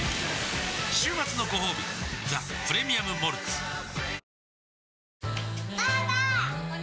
週末のごほうび「ザ・プレミアム・モルツ」わぁ！